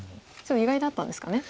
意外だったんですかね